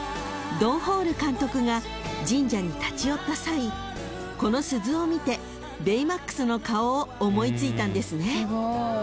［ドン・ホール監督が神社に立ち寄った際この鈴を見てベイマックスの顔を思い付いたんですね］